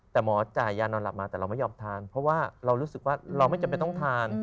แต่หมอจ่ายยานอนหลับมาแต่เราไม่ยอมทานเพราะว่าเรารู้สึกว่าเราไม่จำเป็นต้องทาน